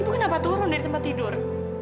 itu kenapa turun dari tempat tidur